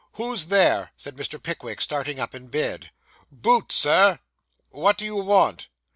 'Who's there?' said Mr. Pickwick, starting up in bed. 'Boots, sir.' 'What do you want?